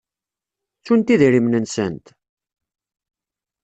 Ttunt idrimen-nsent?